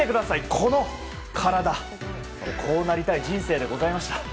こうなりたい人生でございました。